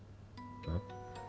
えっ？